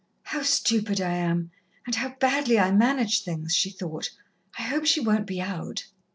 "How stupid I am, and how badly I manage things," she thought. "I hope she won't be out."